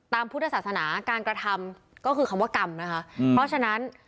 พุทธศาสนาการกระทำก็คือคำว่ากรรมนะคะเพราะฉะนั้น